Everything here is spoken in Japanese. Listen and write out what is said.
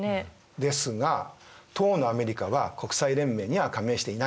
ですが当のアメリカは国際連盟には加盟していないんです。